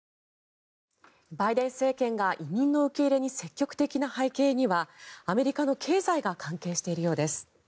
バイデン政権が移民の受け入れに積極的な背景にはアメリカの経済が関係しているようです。